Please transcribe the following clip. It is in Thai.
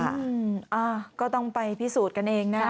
อ่าก็ต้องไปพิสูจน์กันเองนะ